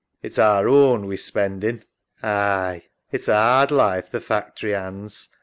It's our own we're spendin'. SARAH. Aye. It's a 'ard life, the factory 'and's.